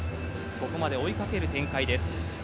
ここまで追いかける展開です。